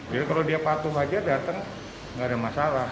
kalau dia patuh saja datang nggak ada masalah